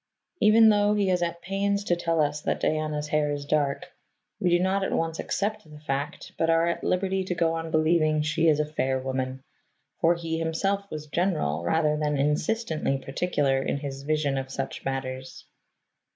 Even though he is at pains to tell us that Diana's hair is dark, we do not at once accept the fact but are at liberty to go on believing she is a fair woman, for he himself was general rather than insistently particular in his vision of such matters.